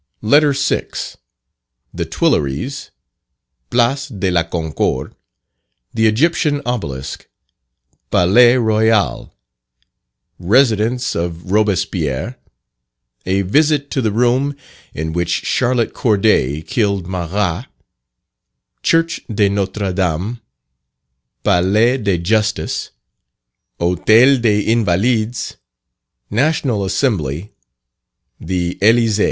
LETTER VI. _The Tuileries Place de la Concorde The Egyptian Obelisk Palais Royal Residence of Robespierre A Visit to the Room in which Charlotte Corday killed Marat Church de Notre Dame Palais de Justice Hotel des Invalids National Assembly The Elysee.